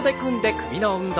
首の運動。